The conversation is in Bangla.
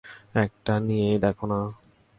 একটা নিয়েই দেখো না?